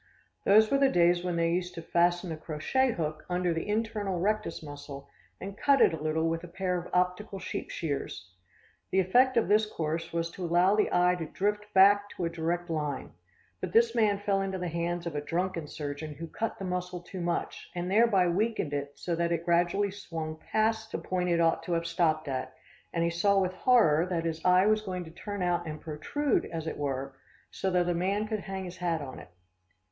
Those were the days when they used to fasten a crochet hook under the internal rectus muscle and cut it a little with a pair of optical sheep shears. The effect of this course was to allow the eye to drift back to a direct line; but this man fell into the hands of a drunken surgeon who cut the muscle too much, and thereby weakened it so that it gradually swung past the point it ought to have stopped at, and he saw with horror that his eye was going to turn out and protrude, as it were, so that a man could hang his hat on it.